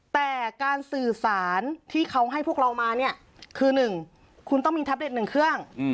แต่การสื่อสารที่เขาให้พวกเรามาเนี่ยคือ๑คุณต้องมีแท็บเล็ต๑เครื่อง